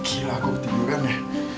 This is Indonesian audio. gila aku tidur kan ya